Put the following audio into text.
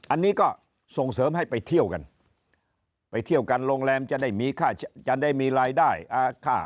อันนี้ก็ส่งเสริมให้ไปเที่ยวกันไปเที่ยวกันโรงแรมจะได้มีค่าจะได้มีรายได้ค่า